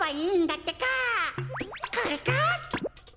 これか！